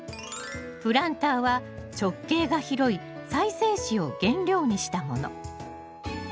プランターは直径が広い再生紙を原料にしたもの。